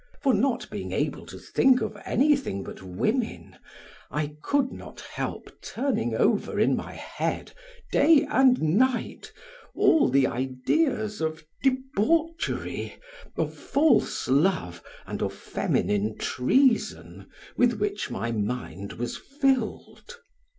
For not being able to think of anything but women, I could not help turning over in my head, day and night, all the ideas of debauchery, of false love and of feminine treason with which my mind was filled.